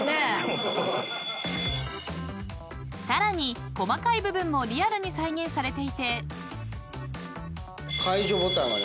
［さらに細かい部分もリアルに再現されていて］解除ボタンはね